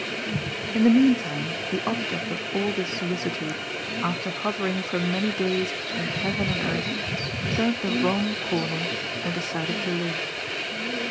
In the meantime the object of all this solicitude, after hovering for many days between heaven and earth, turned 32 GOD'S FOOL. the wrong comer and decided to liye.